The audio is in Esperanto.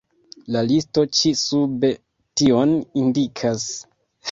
La listo ĉi sube tion indikas.